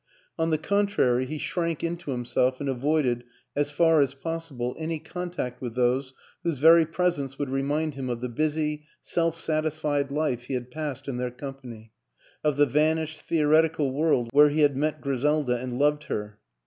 On the contrary, he shrank into him self and avoided, as far as possible, any contact with those whose very presence would remind him of the busy, self satisfied life he had passed in their company, of the vanished, theoretical world where he had met Griselda and loved her.